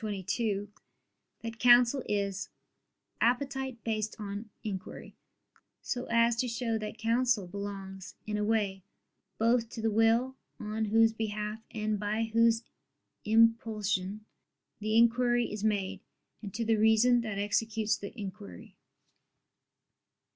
ii, 22) that counsel is "appetite based on inquiry," so as to show that counsel belongs, in a way, both to the will, on whose behalf and by whose impulsion the inquiry is made, and to the reason that executes the inquiry.